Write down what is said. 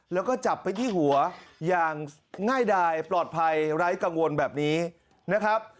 แล้วก็จับไปที่หัวอย่างง่ายดายปลอดภัยไร้กังวลแบบนี้นะครับ